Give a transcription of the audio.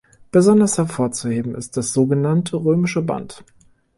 Besonders hervorzuheben ist das sogenannte römische Bad.